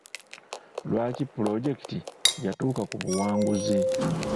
Lwaki pulojekiti yatuuka ku buwanguzi?